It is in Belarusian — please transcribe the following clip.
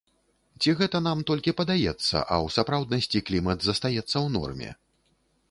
Ці гэта нам толькі падаецца, а ў сапраўднасці клімат застаецца ў норме?